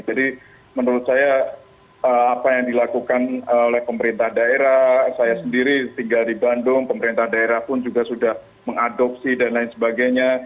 dan menurut saya apa yang dilakukan oleh pemerintah daerah saya sendiri tinggal di bandung pemerintah daerah pun sudah mengadopsi dan lain sebagainya